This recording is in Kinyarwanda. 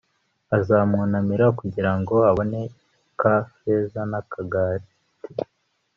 azamwunamira kugira ngo abone ka feza n'akagati